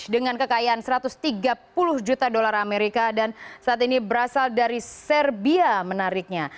dengan kekayaan satu ratus tiga puluh juta dolar amerika dan saat ini berasal dari serbia menariknya